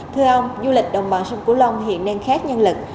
thưa ông du lịch đồng bằng sông cửu long hiện nên khác nhân lực